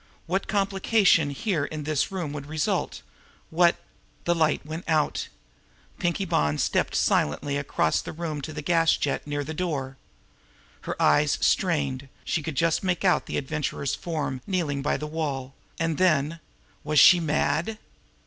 What complication here in this room would result? What... The light was out. Pinkie Bonn had stepped silently across the room to the gas jet near the door. Her eyes, strained, she could just make out the Adventurer's form kneeling by the wall, and then was she mad!